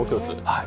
はい。